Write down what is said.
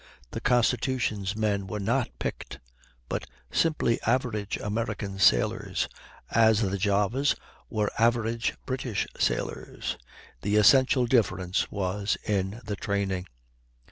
The Constitution's men were not "picked," but simply average American sailors, as the Java's were average British sailors. The essential difference was in the training.